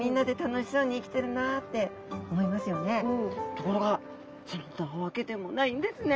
ところがそんなわけでもないんですね。